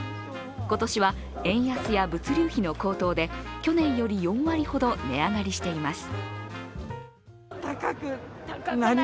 今年は円安や物流費の高騰で、去年より４割ほど値上がりしています。